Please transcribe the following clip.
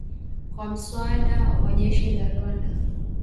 kwa msaada wa jeshi la Rwanda